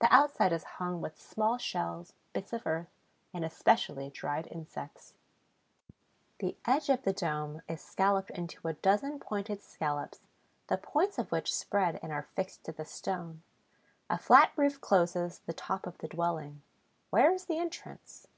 The outside is hung with small shells, bits of earth, and, especially, dried insects. The edge of the dome is scalloped into a dozen pointed scallops, the points of which spread and are fixed to the stone. A flat roof closes the top of the dwelling. Where is the entrance?